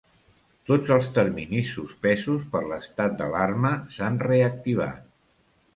Tots els terminis suspesos per l'estat d'alarma s'han reactivat.